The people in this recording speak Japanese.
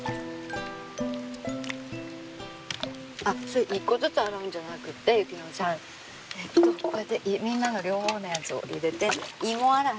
あっそれ一個ずつ洗うんじゃなくて雪乃ちゃんえっとこうやってみんなの両方のやつを入れて芋洗い。